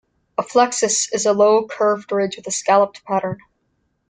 A flexus is a low, curved ridge with a scalloped pattern.